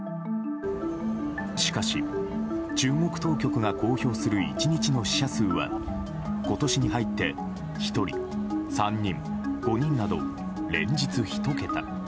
しかし、中国当局が公表する１日の死者数は今年に入って１人、３人、５人など連日１桁。